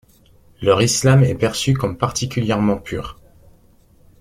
Leur islam est perçu comme particulièrement pur.